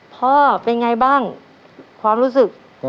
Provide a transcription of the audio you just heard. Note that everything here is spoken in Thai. พ่อเป็นไงบ้างความรู้สึก